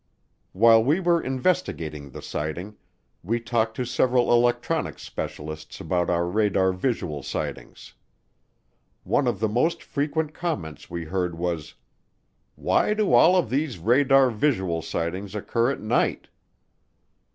While we were investigating the sighting we talked to several electronics specialists about our radar visual sightings. One of the most frequent comments we heard was, "Why do all of these radar visual sightings occur at night?"